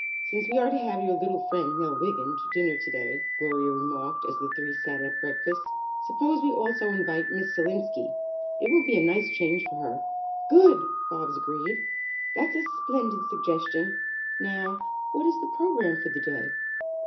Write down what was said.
"Since we are to have your little friend, Nell Wiggin, to dinner today," Gloria remarked as the three sat at breakfast, "suppose we also invite Miss Selenski. It will be a nice change for her." "Good!" Bobs agreed. "That's a splendid suggestion. Now what is the program for the day?"